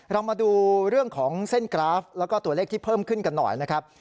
เรามาดูเรื่องของเส้นกราฟแล้วก็ตัวเลขที่เพิ่มขึ้นกันหน่อยนะครับ